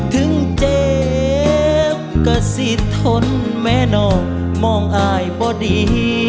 ถึงเจ็บก็สิทธนแม่น้องมองอายบ่ดี